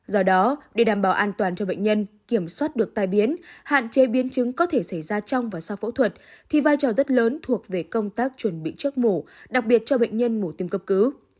do đó để đảm bảo an toàn cho bệnh nhân kiểm soát được tai biến hạn chế biến chứng có thể xảy ra trong và sau phẫu thuật thì vai trò rất lớn thuộc về công tác chuẩn bị trước mổ đặc biệt cho bệnh nhân mổ tiêm cấp cứu